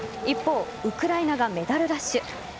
一方、ウクライナがメダルラッシュ。